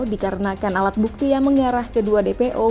dikarenakan alat bukti yang mengarah ke dua dpo